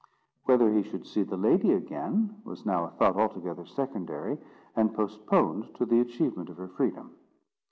Whether he should see the lady again, was now a thought altogether secondary, and postponed to the achievement of her freedom.